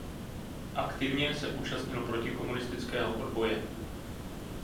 Aktivně se účastnil protikomunistického odboje.